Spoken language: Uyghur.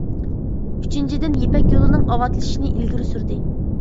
ئۈچىنچىدىن، يىپەك يولىنىڭ ئاۋاتلىشىشىنى ئىلگىرى سۈردى.